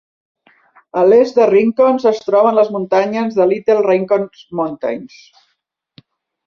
A l'est de Rincons es troben les muntanyes Little Rincon Mountains.